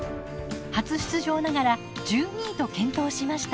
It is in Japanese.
初出場ながら１２位と健闘しました。